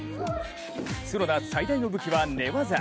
角田最大の武器は寝技。